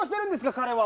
彼は。